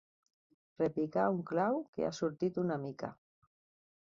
Repicar un clau que ha sortit una mica.